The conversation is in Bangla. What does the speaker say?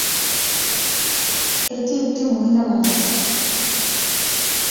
এটি একটি মহিলা মাদ্রাসা।